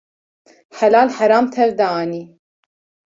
Helal heram tev de anî